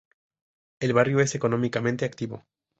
El barrio es económicamente activo.